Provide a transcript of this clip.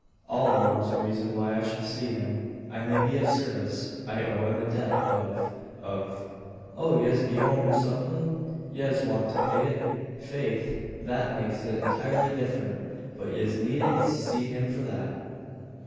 "All the more reason why I should see him. I may be of service. I owe him a debt of of " "Oh! yez be owin' him somethin? Yez want to pay it? Faith, that makes it intirely different. But yez needn't see him for that.